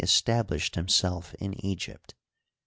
established himself in Egypt.